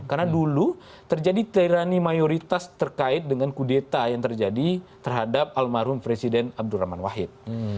karena dulu terjadi tirani mayoritas terkait dengan kudeta yang terjadi terhadap almarhum presiden abdurrahman wahid